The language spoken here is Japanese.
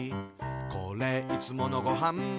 「これ、いつものごはん」